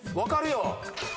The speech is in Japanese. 分かるよ。